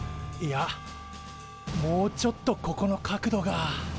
いやもうちょっとここの角度が。